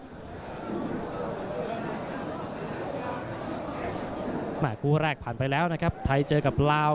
กระหน่าที่น้ำเงินก็มีเสียเอ็นจากอุบลนะครับเสียเอ็นจากอุบลนะครับเสียเอ็นจากอุบลนะครับ